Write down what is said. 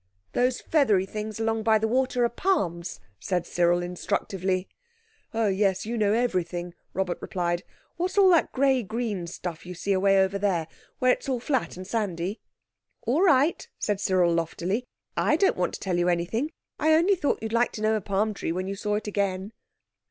"Those feathery things along by the water are palms," said Cyril instructively. "Oh, yes; you know everything," Robert replied. "What's all that grey green stuff you see away over there, where it's all flat and sandy?" "All right," said Cyril loftily, "I don't want to tell you anything. I only thought you'd like to know a palm tree when you saw it again."